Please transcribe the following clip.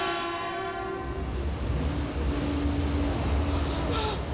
ああ。